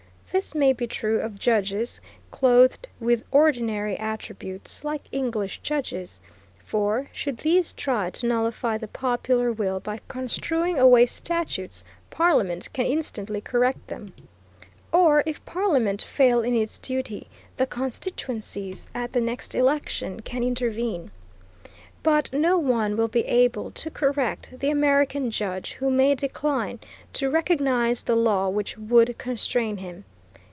This may be true of judges clothed with ordinary attributes, like English judges, for, should these try to nullify the popular will by construing away statutes, Parliament can instantly correct them, or if Parliament fail in its duty, the constituencies, at the next election, can intervene. But no one will be able to correct the American judge who may decline to recognize the law which would constrain him.